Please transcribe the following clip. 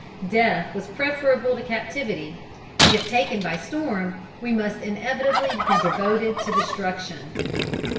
Death was preferable to captivity; and if taken by storm, we must inevitably be devoted to destruction.